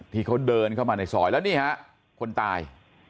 ที่เขาเดินเข้ามาในซอยแล้วนี่ฮะคนตาย